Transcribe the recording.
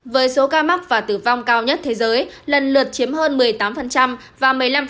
với số ca mắc và tử vong cao nhất thế giới lần lượt chiếm hơn một mươi tám và một mươi năm